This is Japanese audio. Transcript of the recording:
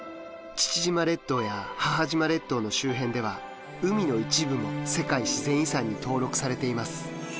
父島列島や母島列島の周辺では海の一部も世界自然遺産に登録されています。